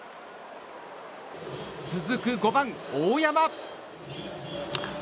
続く５番、大山。